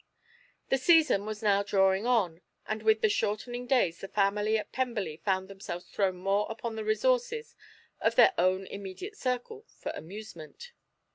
The season was now drawing on, and with the shortening days the family at Pemberley found themselves thrown more upon the resources of their own immediate circle for amusement.